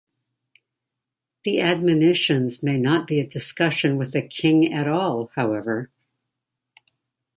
The admonitions may not be a discussion with a king at all however.